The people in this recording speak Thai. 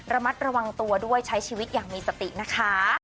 ระมัดระวังตัวด้วยใช้ชีวิตอย่างมีสตินะคะ